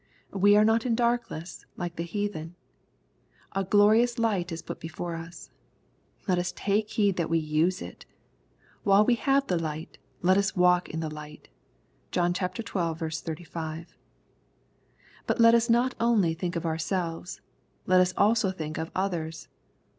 We are not in darkness like the heathen. A glorious light is put before us. Let us take heed that we use it. While we have the light let us walk in the light. (John xii. 35.) But let us not only think of ourselves. Let us also think of others.